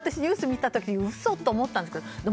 私、このニュース見た時に嘘？と思ったんですけど